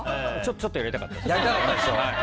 ちょっとやりたかったです。